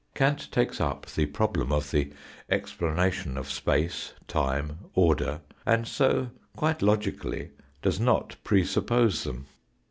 Kant takes up the problem of the explanation of space, time, order, and so quite logically does not presuppose them.